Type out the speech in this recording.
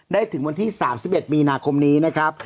ถึงวันที่๓๑มีนาคมนี้นะครับ